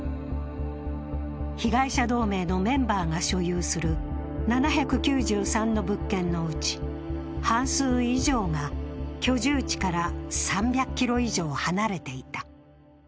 被害者同盟のメンバーが所有する７９３の物件のうち半数以上が居住地から３００ｋｍ以上離れていた。